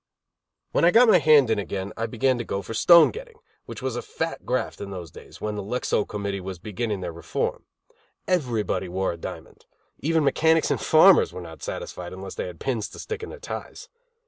When I got my hand in again, I began to go for stone getting, which was a fat graft in those days, when the Lexow committee was beginning their reform. Everybody wore a diamond. Even mechanics and farmers were not satisfied unless they had pins to stick in their ties.